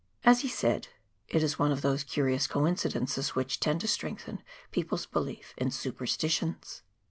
As he said, " It is one of those curious coincidences which tend to strengthen peoples' belief in superstitions."